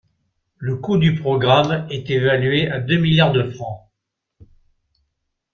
Le coût du programme est évalué à deux milliards de francs.